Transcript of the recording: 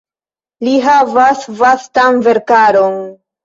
Li havas vastan verkaron.